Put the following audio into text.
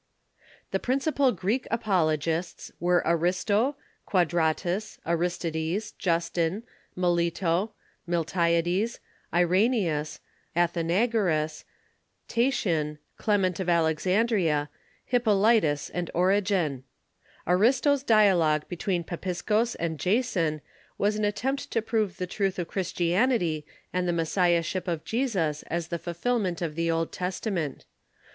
The principal Greek apologists Avere Aristo, Quadratus, Aristides, Justin, Melito, Miltiades, Irenaeus, Athenagoras, Ta 3 34 THK EARLY CHURCH tian, Clement of Alexandria, Ilippolytus, and Origen, Aiisto'a dialogue between Papiskos and Jason was an attempt ^'^^}' to Drove the truth of Christianity and the messiah AoolOQists ship of Jesus as the fulfilment of the Old Testament.